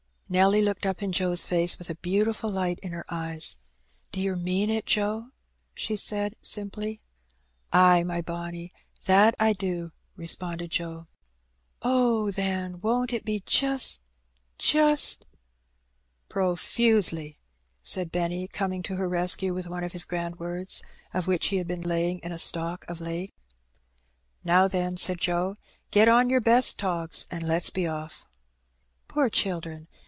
Nelly looked up in Joe's face with a beautiful light in her eyes. "D'yer mean it, Joe?" she said, simply. In the Woods. 101 " Ay, my bonny, that I do,^^ responded Joe. " Oh, then, won't it be jist — jist —'^" Profusely,^' said Benny, coming to her rescue with one of his grand words, of which he had been laying in a stock of late. '^Now, then,^' said Joe, "get on yer best togs, and let's be off.'' Poor children